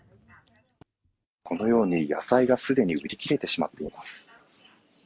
このように、野菜がすでに売り切れてしまっています。